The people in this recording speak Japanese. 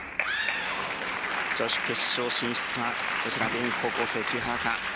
女子決勝進出は高校生、木原か。